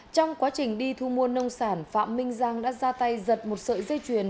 trong quá trình đi thu mua nông sản phạm minh giang đã ra tay giật một sợi dây chuyền